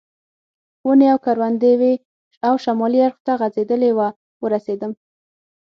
ونې او کروندې وې او شمالي اړخ ته غځېدلې وه ورسېدم.